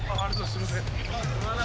すいません。